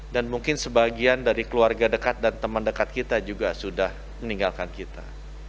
mungkin sebagian dari keluarga dekat dan teman dekat kita juga sudah meninggalkan kita